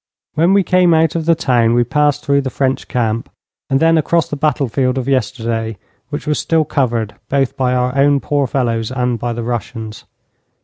When we came out of the town we passed through the French camp, and then across the battle field of yesterday, which was still covered both by our own poor fellows and by the Russians.